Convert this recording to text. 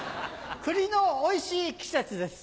栗のおいしい季節です。